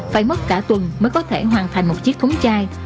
phải mất cả tuần mới có thể hoàn thành một chiếc thúng chai